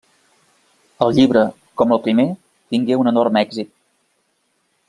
El llibre, com el primer, tingué un enorme èxit.